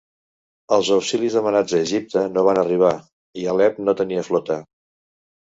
Els auxilis demanats a Egipte no van arribar, i Alep no tenia flota.